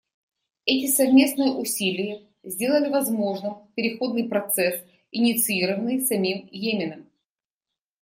Эти совместные усилия сделали возможным переходный процесс, инициированный самим Йеменом.